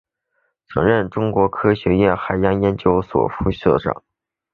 曾任中国科学院海洋研究所副所长。